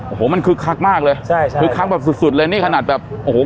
โอ้โหมันคึกคักมากเลยใช่ใช่คึกคักแบบสุดสุดเลยนี่ขนาดแบบโอ้โห